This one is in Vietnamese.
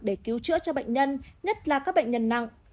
để cứu chữa cho bệnh nhân nhất là các bệnh nhân nặng